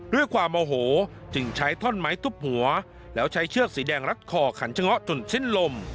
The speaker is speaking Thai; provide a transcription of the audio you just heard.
ด้วยความโอโหจึงใช้ท่อนไม้ทุบหัวแล้วใช้เชือกสีแดงรัดคอขันชะเงาะจนสิ้นลม